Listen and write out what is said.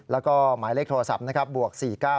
แล้วก็หมายเลขโทรศัพท์นะครับบวก๔๙๑๗๑๗๔๔๖๔๔๓